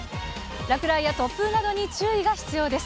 落雷や突風などに注意が必要です。